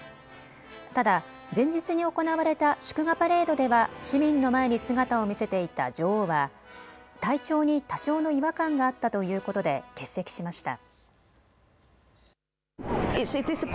ただ前日に行われた祝賀パレードでは市民の前に姿を見せていた女王は体調に多少の違和感があったということで欠席しました。